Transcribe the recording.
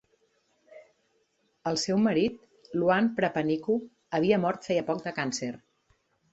El seu marit, Luan Prapaniku, havia mort feia poc de càncer.